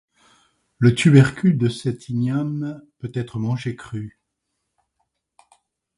Le tubercule de cet igname peut être mangé cru.